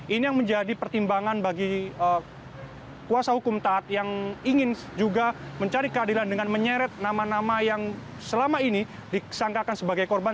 ini yang menjadi pertimbangan bagi kuasa hukum taat yang ingin juga mencari keadilan dengan menyeret nama nama yang selama ini disangkakan sebagai korban